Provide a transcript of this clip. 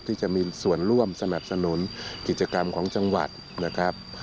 ที่จะมีส่วนร่วมสนับสนุนกิจกรรมของจังหวัดนะครับ